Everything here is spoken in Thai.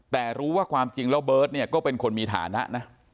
แต่รู้ว่าความจริงแล้วเบิร์ตเนี่ยก็เป็นคนมีฐานะนะ